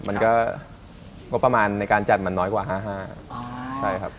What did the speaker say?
มันก็งบประมาณในการจัดมันน้อยกว่า๕๕ใช่ครับ